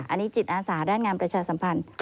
อันนี้จิตอาสาด้านงานประชาสัมพันธ์